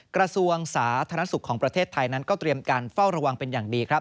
กระทรวงสาธารณสุขของประเทศไทยนั้นก็เตรียมการเฝ้าระวังเป็นอย่างดีครับ